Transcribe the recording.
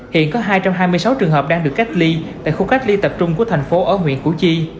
hiện có hai trăm hai mươi sáu trường hợp đang được cách ly tại khu cách ly tập trung của thành phố ở huyện củ chi